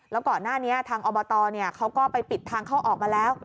แล้วก่อนหน้านี้ทางอบตเขาก็ไปปิดทางเข้าออกมาแล้ว